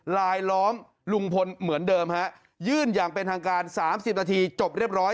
ลายล้อมลุงพลเหมือนเดิมฮะยื่นอย่างเป็นทางการ๓๐นาทีจบเรียบร้อย